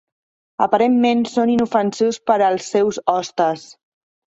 Aparentment són inofensius per als seus hostes.